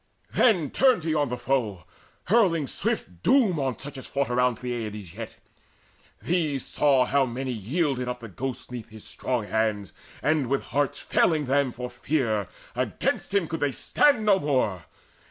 Then turned he on the foe, hurling swift doom On such as fought around Peleides yet. 'These saw how many yielded up the ghost Neath his strong hands, and, with hearts failing them For fear, against him could they stand no more.